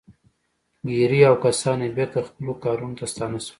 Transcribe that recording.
ګیري او کسان یې بېرته خپلو کارونو ته ستانه شول